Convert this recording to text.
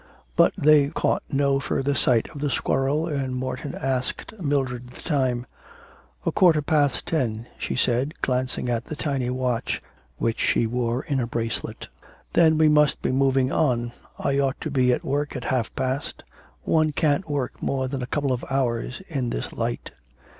But they caught no further sight of the squirrel, and Morton asked Mildred the time. 'A quarter past ten,' she said, glancing at the tiny watch which she wore in a bracelet. 'Then we must be moving on. I ought to be at work at half past. One can't work more than a couple of hours in this light.'